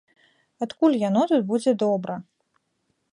Адкуль яно тут будзе добра?